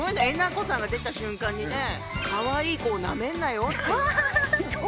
えなこさんが出た瞬間にねえかわいい子をなめんなよって。